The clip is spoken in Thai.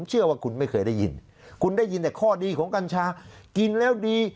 เชื่อว่าคุณไม่เคยได้ยินคุณได้ยินแต่ข้อดีของกัญชากินแล้วดี